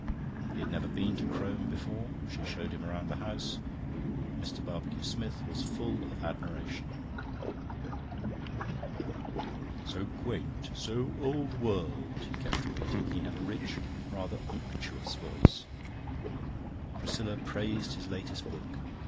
He had never been to Crome before; she showed him round the house. Mr. Barbecue Smith was full of admiration. "So quaint, so old world," he kept repeating. He had a rich, rather unctuous voice. Priscilla praised his latest book.